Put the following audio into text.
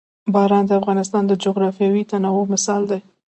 باران د افغانستان د جغرافیوي تنوع مثال دی.